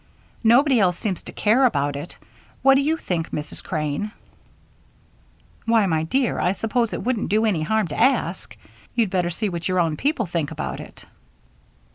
Nobody else seems to care about it. What do you think, Mrs. Crane?" "Why, my dear, I suppose it wouldn't do any harm to ask. You'd better see what your own people think about it."